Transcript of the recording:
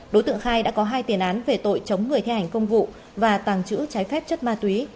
đối tượng khai đã có hai tiền án về tội chống người thi hành công vụ và tàng trữ trái phép chất ma túy